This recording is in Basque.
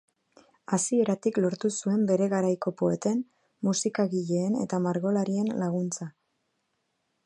Hasieratik lortu zuen bere garaiko poeten, musikagileen eta margolarien laguntza.